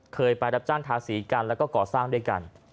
เคยไปรับจ้างทาสีกันแล้วก็ก่อสร้างด้วยกัน